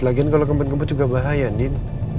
lagian kalau ngebut ngebut juga bahaya din